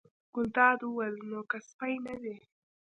ګلداد وویل: نو که سپی نه وي.